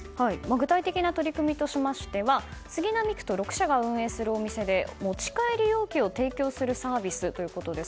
具体的な取り組みとしましては杉並区と６社が運営するお店で持ち帰り容器を提供するサービスということです。